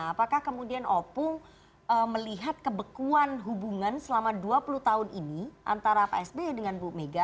apakah kemudian opung melihat kebekuan hubungan selama dua puluh tahun ini antara pak sby dengan bu mega